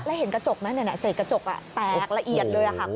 แล้วเห็นกระจกมั้ยเนี่ยนะเสร็จกระจกอ่ะแตกละเอียดเลยอ่ะค่ะคุณผู้ชม